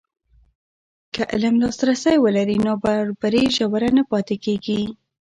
که علم لاسرسی ولري، نابرابري ژوره نه پاتې کېږي.